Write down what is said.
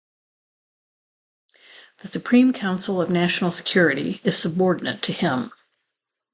The Supreme Council of National Security is subordinate to him.